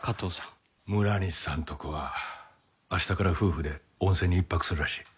村西さんとこは明日から夫婦で温泉に１泊するらしい。